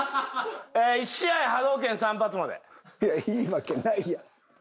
１試合いやいいわけないやん。